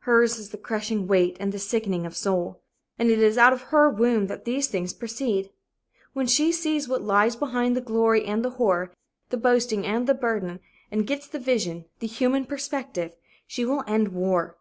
Hers is the crushing weight and the sickening of soul. And it is out of her womb that those things proceed. When she sees what lies behind the glory and the horror, the boasting and the burden, and gets the vision, the human perspective, she will end war.